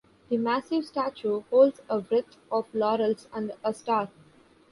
The massive statue holds a wreath of laurels and a star.